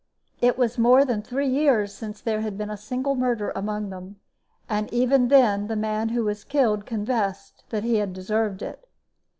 It was more than three years since there had been a single murder among them, and even then the man who was killed confessed that he deserved it.